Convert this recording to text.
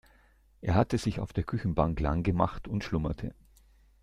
Er hatte sich auf der Küchenbank lang gemacht und schlummerte.